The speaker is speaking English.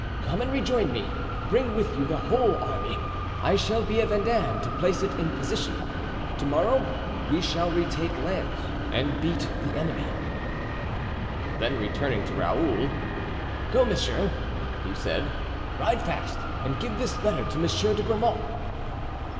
Come and rejoin me; bring with you the whole army. I shall be at Vendin to place it in position. To morrow we shall retake Lens and beat the enemy." Then, turning toward Raoul: "Go, monsieur," he said; "ride fast and give this letter to Monsieur de Grammont."